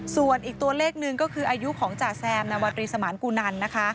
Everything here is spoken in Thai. ส่วนอีกตัวเลขหนึ่งก็คืออายุของจ่าแซมนวตรีสมานกูนันนะคะ